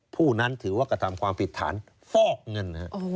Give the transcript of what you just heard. ผู้นั้นถือว่ากระทำความผิดฐานฟอกเงิน